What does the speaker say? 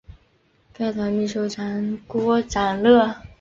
该团秘书长郭长乐。